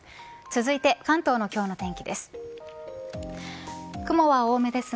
続いて関東の今日の天気です。